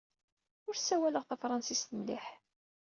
Ur ssawaleɣ tafṛensist mliḥ!